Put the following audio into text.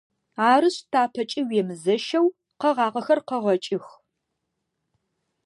Арышъ, тапэкӏи уемызэщэу къэгъагъэхэр къэгъэкӏых.